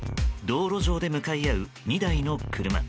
道路上で向かい合う２台の車。